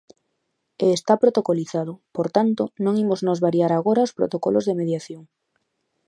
E está protocolizado; por tanto, non imos nós variar agora os protocolos de mediación.